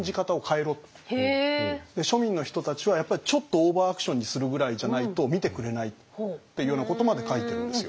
で庶民の人たちはやっぱりちょっとオーバーアクションにするぐらいじゃないと見てくれないっていうようなことまで書いてるんですよ。